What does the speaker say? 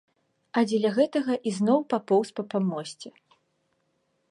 А дзеля гэтага ізноў папоўз па памосце.